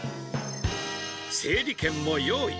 整理券も用意。